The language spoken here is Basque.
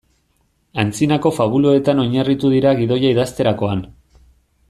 Antzinako fabuletan oinarritu dira gidoia idazterakoan.